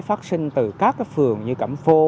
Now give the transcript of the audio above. phát sinh từ các cái phường như cẩm phô